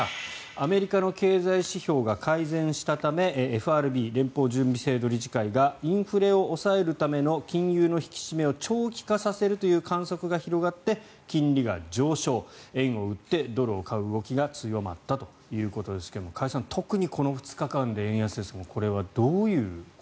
アメリカの経済指標が改善したためＦＲＢ・連邦準備制度理事会がインフレを抑えるための金融の引き締めを長期化させるという観測が広がって金利が上昇円を売ってドルを買う動きが強まったということですが加谷さん、特にこの２日間で円安ですがこれはどういう。